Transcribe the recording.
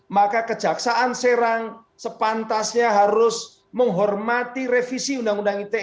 maka kejaksaan serang sepantasnya harus menghormati revisi undang undang ite